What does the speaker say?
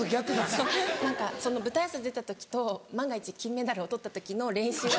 そう何かその舞台挨拶出た時と万が一金メダルを取った時の練習を。